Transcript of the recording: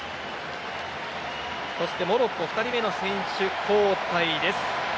そしてモロッコは２人目の選手交代。